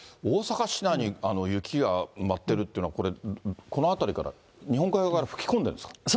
大阪市内に雪が舞ってるっていうのは、これ、この辺りから、日本海側から吹き込んでるんですか。